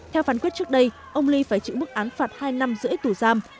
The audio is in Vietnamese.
theo phán quyết trước đây ông lee phải chữ bức án phạt hai năm giữa tù giam